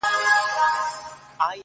ته باغ لري پټى لرې نو لاښ ته څه حاجت دى-